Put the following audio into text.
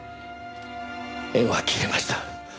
縁は切れました。